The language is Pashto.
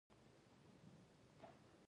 دښمن ستا د ناکامۍ ارمان لري